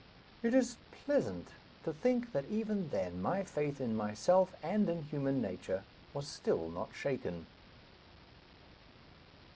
It is pleasant to think that, even then, my faith in myself and in human nature was still not shaken.